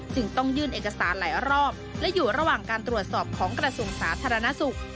จึงต้องยื่นเอกสารหลายรอบและอยู่ระหว่างการตรวจสอบของกระทรวงสาธารณสุข